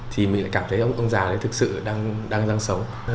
thì mình lại cảm thấy ông ông già đấy thực sự đang sống